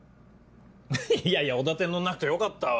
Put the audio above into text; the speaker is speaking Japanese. いやいやおだてに乗らなくてよかったわ。